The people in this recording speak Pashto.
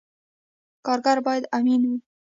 کارګر باید امین وي